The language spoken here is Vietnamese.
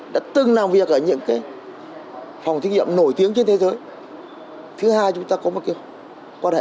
đã từng làm việc ở những phòng thí nghiệm nổi tiếng trên thế giới thứ hai chúng ta có một quan hệ